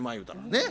ねっ。